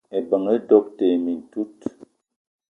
Ebeng doöb te mintout.